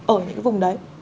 ở những cái vùng đấy